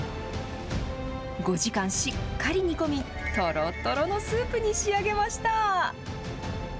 ５時間しっかり煮込みとろとろのスープに仕上げました。